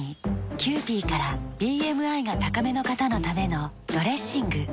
キユーピーからＢＭＩが高めの方のためのドレッシング。